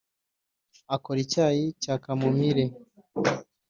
akora icyayi cya kamomile;